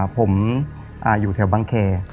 ผมอยู่แถวบังเค